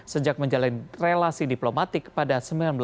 sejak menjalani relasi diplomatik pada seribu sembilan ratus sembilan puluh